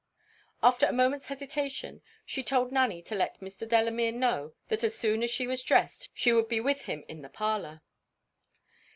After a moment's hesitation, she told Nanny to let Mr. Delamere know that as soon as she was dressed she would be with him in the parlour.